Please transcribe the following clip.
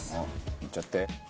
いっちゃって。